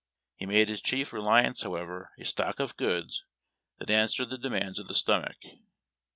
He made his chief reliance, however, a stock of goods that answered the demands of the stomach.